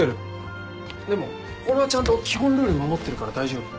でも俺はちゃんと基本ルール守ってるから大丈夫。